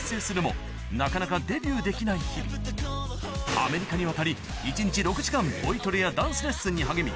アメリカに渡り一日６時間ボイトレやダンスレッスンに励み